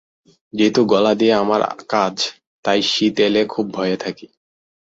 যেহেতু গলা দিয়েই আমার কাজ, তাই শীত এলে খুব ভয়ে থাকি।